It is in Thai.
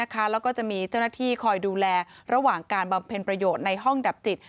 แล้วก็จะมีเจ้าหน้าที่คอยดูแลระหว่างการบำเพ็ญประโยชน์ในห้องดับจิต